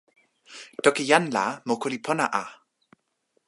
toki jan la moku li pona a.